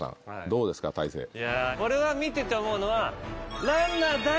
いや俺は見てて思うのは。